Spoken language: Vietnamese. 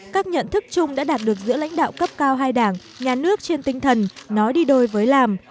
các nhận thức chung đã đạt được giữa lãnh đạo cấp cao hai đảng nhà nước trên tinh thần nói đi đôi với làm